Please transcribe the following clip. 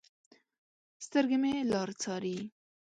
سترګې مې لار څارې